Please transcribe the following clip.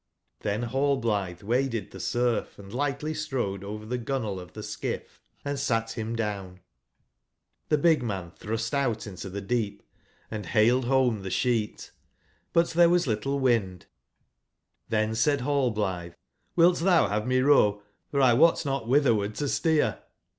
'' tlben nallblithe waded thesurf & light ly strode over the gunwale of tbe skiff and sat him 15 down, tibc big man thrust out into the deep and baled bome tbe ebect; but tbere was but little wind j^Oen said HaUblitbe: *'<Hilt tbou bave me row, for 1 wot not wbitberward to steer